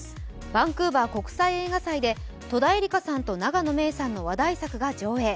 バンクーバー国際映画祭で、戸田恵梨香さんと永野芽郁の話題作が上映。